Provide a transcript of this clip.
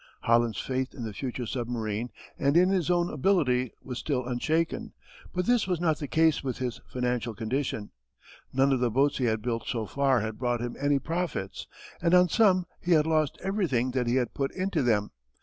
Holland's faith in the future submarine and in his own ability was still unshaken, but this was not the case with his financial condition. None of the boats he had built so far had brought him any profits and on some he had lost everything that he had put into them.